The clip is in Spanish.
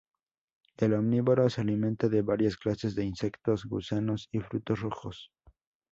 Es omnívoro: se alimenta de varias clases de insectos, gusanos y frutos rojos.